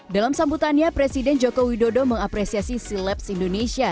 dalam sambutannya presiden joko widodo mengapresiasi silaps indonesia